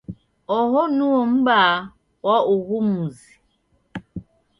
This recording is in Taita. Oho nuo m'baa wa ughu mzi?